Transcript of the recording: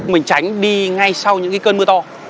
mình tránh đi ngay sau những cơn mưa to